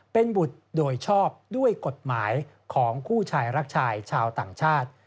เป็นบุตรโดยชอบด้วยกฎหมายของคู่ชายรักชายชาวต่างชาติ